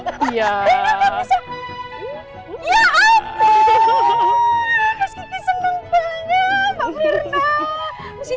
mbak siti senang banget mbak mirna